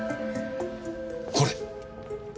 これ！